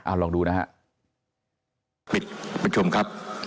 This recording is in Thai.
เอ้าลองดูนะฮะ